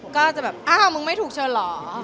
ก็จะแบบอ้าวมึงไม่ถูกเชิญเหรอ